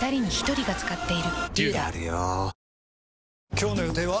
今日の予定は？